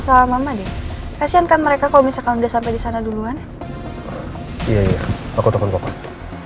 sama sama deh kasihan kan mereka kau misalkan udah sampai di sana duluan iya aku tonton